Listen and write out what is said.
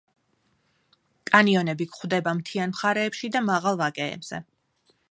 კანიონები გვხვდება მთიან მხარეებში და მაღალ ვაკეებზე.